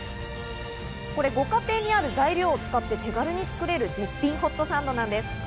これ、ご家庭にある材料を使って手軽に作れる絶品ホットサンドなんです。